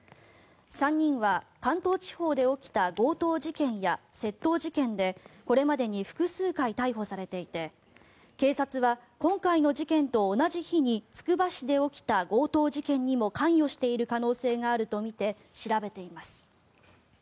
３人は関東地方で起きた強盗事件や窃盗事件でこれまでに複数回逮捕されていて警察は今回の事件と同じ日につくば市で起きた強盗事件にも関与している可能性があるとみて調べています。